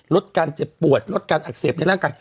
ลดการเจ็บปวดลดการอักเสบในร่างกาย